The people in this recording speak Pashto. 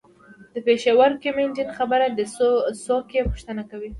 د پېښوري کمیډین خبره ده څوک یې پوښتنه کوي.